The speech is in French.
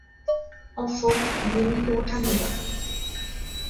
Enfant, il émigre au Canada.